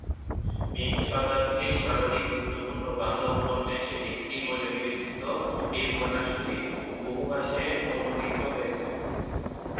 বিংশ শতাব্দীর সর্বাধিক গুরুত্বপূর্ণ বাংলা উপন্যাসের একটি বলে বিবেচিত এই উপন্যাসটি বহুভাষায় অনূদিত হয়েছে।